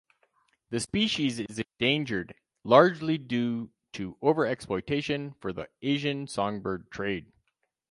The species is endangered largely due to overexploitation for the Asian songbird trade.